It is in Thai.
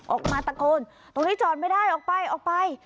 ออกมาตะโกนตรงนี้จอดไม่ได้ออกไปออกไป